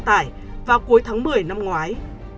tải vào cuối tháng một mươi năm ngoái